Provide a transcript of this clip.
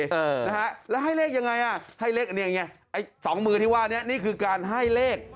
เออนะฮะแล้วให้เลขยังไงอ่ะให้เลขอันนี้ไงไอ้สองมือที่ว่านี้นี่คือการให้เลข